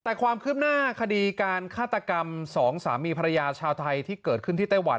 แต่ความคืบหน้าคดีการฆาตกรรมสองสามีภรรยาชาวไทยที่เกิดขึ้นที่ไต้หวัน